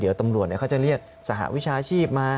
เดี๋ยวตำรวจเขาจะเรียกสหวิชาชีพมา